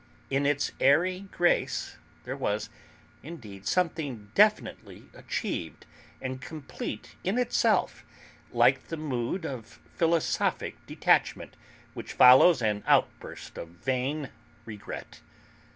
In its airy grace there was, indeed, something definitely achieved, and complete in itself, like the mood of philosophic detachment which follows an outburst of vain regret.